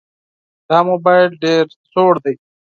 دا موبایل ډېر زوړ دی.